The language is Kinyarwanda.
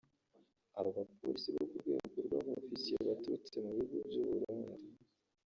Aba bapolisi bo ku rwego rwa ba ofisiye baturutse mu bihugu by’u Burundi